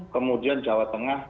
kemudian jawa tengah